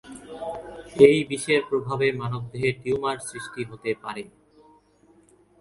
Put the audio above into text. এই বিষের প্রভাবে মানবদেহে টিউমার সৃষ্টি হতে পারে।